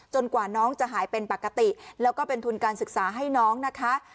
กว่าน้องจะหายเป็นปกติแล้วก็เป็นทุนการศึกษาให้น้องนะคะ